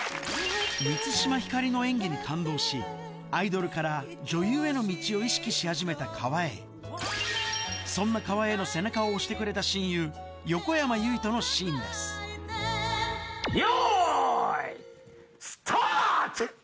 満島ひかりの演技に感動しアイドルから女優への道を意識し始めた川栄そんな川栄の背中を押してくれた親友横山由依とのシーンですよいスタート！